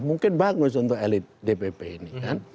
mungkin bagus untuk elit dpp ini kan